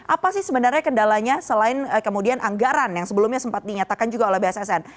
apa sih sebenarnya kendalanya selain kemudian anggaran yang sebelumnya sempat dinyatakan juga oleh bssn